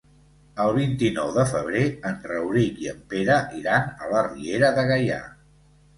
El vint-i-nou de febrer en Rauric i en Pere iran a la Riera de Gaià.